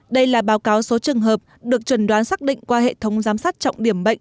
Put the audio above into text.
đây là báo cáo số trường hợp được chuẩn đoán xác định qua hệ thống giám sát trọng điểm bệnh